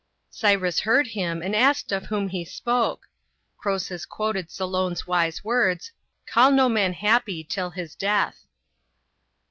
" Cyrus heard him, and asked of whom he spoke. Croesus quoted Solon's wise words, " Call no man happy, till his death."